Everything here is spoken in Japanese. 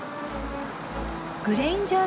グレインジャー